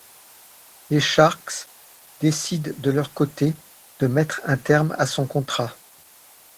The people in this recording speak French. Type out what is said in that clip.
Les Sharks décident de leur côté de mettre un terme à son contrat.